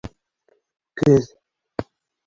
Көҙ